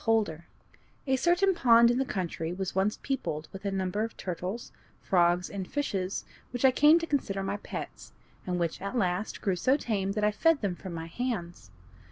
Holder A certain pond in the country was once peopled with a number of turtles, frogs, and fishes which I came to consider my pets, and which at last grew so tame that I fed them from my hands.